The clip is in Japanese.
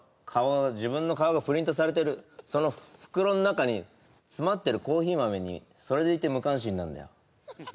自分の顔がプリントされてるその袋の中に詰まってるコーヒー豆にそれでいて無関心なんだよ